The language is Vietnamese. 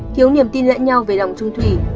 thiếu niềm tin lẫn nhau về lòng trung thủy